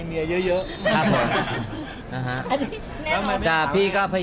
นี่ก็แม่๑นี่แม่๒